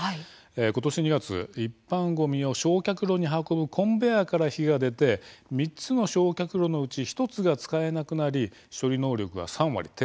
今年２月、一般ごみを焼却炉に運ぶコンベヤーから火が出て３つの焼却炉のうち１つが使えなくなり大変ですね。